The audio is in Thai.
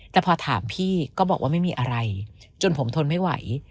แต่พอถามพี่ก็บอกว่าไม่มีอะไรจนผมทนไม่ไหว